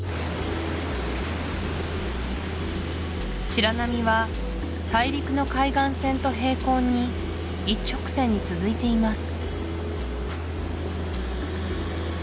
白波は大陸の海岸線と平行に一直線に続いています